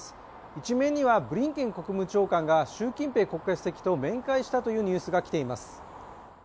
一面には、ブリンケン国務長官が習近平国家主席と面会したというニュースが来ています。